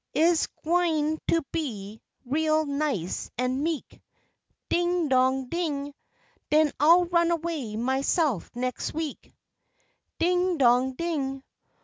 Ise gwine to be real nice an' meek, Ding, Dong, Ding. Den I'll run away myself nex' week. Ding, Dong, Ding.